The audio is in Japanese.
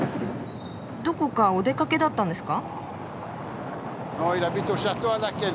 どこかお出かけだったんですか？